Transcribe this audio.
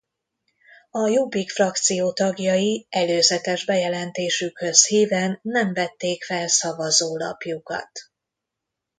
A Jobbik frakció tagjai előzetes bejelentésükhöz híven nem vették fel szavazólapjukat.